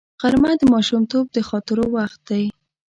غرمه د ماشومتوب د خاطرو وخت دی